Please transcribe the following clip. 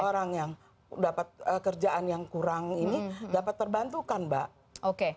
orang yang dapat kerjaan yang kurang ini dapat terbantukan mbak oke